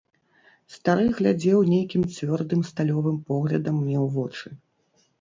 Стары глядзеў нейкім цвёрдым сталёвым поглядам мне ў вочы.